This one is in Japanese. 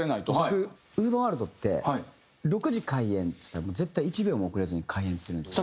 僕ＵＶＥＲｗｏｒｌｄって６時開演っつったら絶対１秒も遅れずに開演するんですよ。